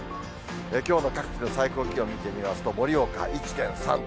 きょうの各地の最高気温見てみますと、盛岡１．３度。